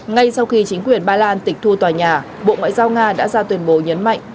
ngay sau khi chính quyền ba lan tịch thu tòa nhà bộ ngoại giao nga đã ra tuyên bố nhấn mạnh